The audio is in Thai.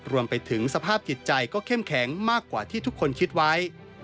รวมไปถึงสภาพจิตใจก็เข้มแข็งมากกว่าที่ทุกคนคิดไว้